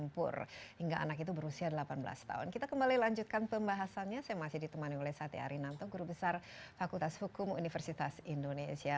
pak rina anto guru besar fakultas hukum universitas indonesia